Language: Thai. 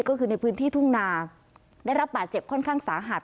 ก็คือในพื้นที่ทุ่งนาได้รับบาดเจ็บค่อนข้างสาหัส